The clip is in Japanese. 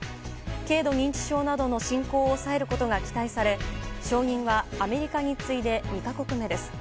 軽度認知症などの進行を抑えることが期待され承認はアメリカに次いで２か国目です。